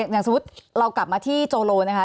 อย่างสมมุติเรากลับมาที่โจโลนะคะ